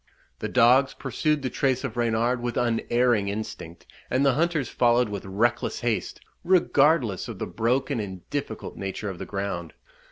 The dogs pursued the trace of Reynard with unerring instinct; and the hunters followed with reckless haste, regardless of the broken and difficult nature of the ground.